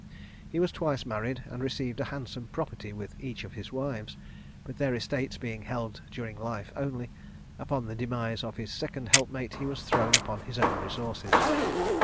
He was twice married, and received a handsome property with each of his wives; but their estates being held during life only, upon the demise of his second helpmate he was thrown upon his own resources.